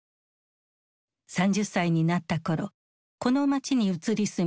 ３０歳になった頃この街に移り住み